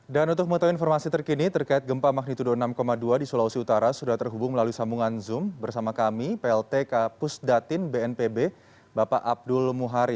dan untuk mengetahui informasi terkini terkait gempa magnitudo enam dua di sulawesi utara sudah terhubung melalui sambungan zoom bersama kami pltk pusdatin bnpb bapak abdul muhari